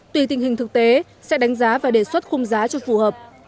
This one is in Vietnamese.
tùy tình hình thực tế sẽ đánh giá và đề xuất khung giá cho phù hợp